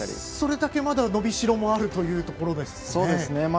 それだけ伸びしろもあるというところですね。